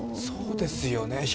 そうですよね